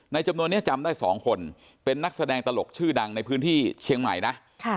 จำนวนนี้จำได้๒คนเป็นนักแสดงตลกชื่อดังในพื้นที่เชียงใหม่นะ